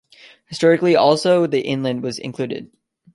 Historically also the inland was included.